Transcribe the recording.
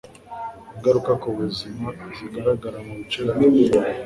Ingaruka ku buzima zigaragara mu bice bitatu